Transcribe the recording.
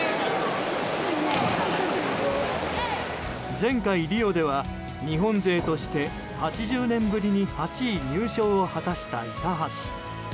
前回、リオでは日本勢として８０年ぶりに８位入賞を果たした、板橋。